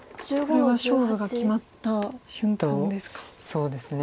これは勝負が決まった瞬間ですか。